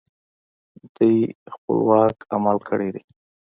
دوی خپلواک عمل کړی دی